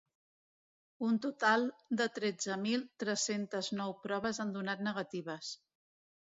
Un total de tretze mil tres-cents nou proves han donat negatives.